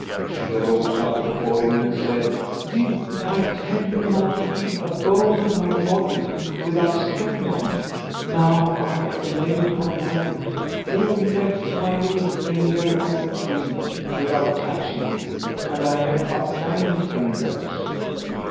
She rose up before him, and said: "Didn't I tell you not to leave a bone of my body without stepping on it? Now I am lame for life! You left my little finger on the tree without touching it, and I have but nine fingers."